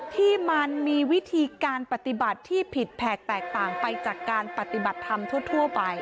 ที่มันมีวิธีการปฏิบัติที่ผิดแผกแตกต่างไปจากการปฏิบัติธรรมทั่วไป